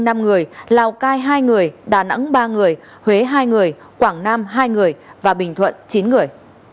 năm người lào cai hai người đà nẵng ba người huế hai người quảng nam hai người và bình thuận chín người